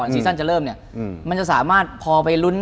ซีซั่นจะเริ่มเนี่ยมันจะสามารถพอไปลุ้น